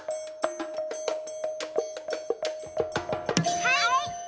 はい！